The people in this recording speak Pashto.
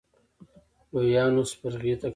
لويانو سپرغې ته کتل.